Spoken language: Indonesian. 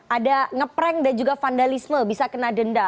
ada ngeprank dan juga vandalisme bisa kena denda